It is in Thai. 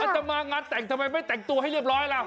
จะมางานแต่งทำไมไม่แต่งตัวให้เรียบร้อยล่ะ